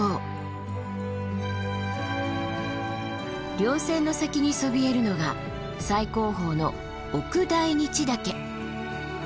稜線の先にそびえるのが最高峰の奥大日岳。